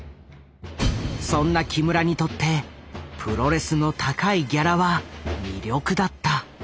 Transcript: そんな木村にとってプロレスの高いギャラは魅力だった。